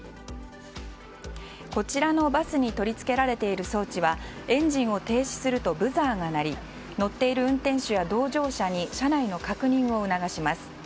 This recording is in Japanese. こちらのバスに取り付けられている装置はエンジンを停止するとブザーが鳴り乗っている運転手や同乗者に車内の確認を促します。